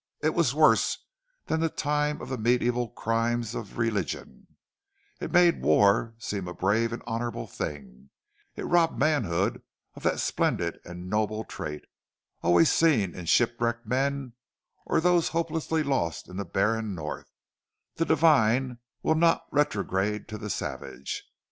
It was worse than the time of the medieval crimes of religion; it made war seem a brave and honorable thing; it robbed manhood of that splendid and noble trait, always seen in shipwrecked men or those hopelessly lost in the barren north, the divine will not to retrograde to the savage.